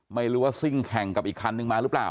ไม่รู้ว่าซิ่งแข่งกับอีกคันนึงมาหรือเปล่า